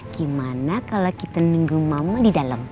gimana kalau kita nunggu mama di dalam